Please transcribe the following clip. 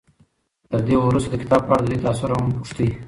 تر دې وروسته د کتاب په اړه د دوی تأثر هم پوښتئ.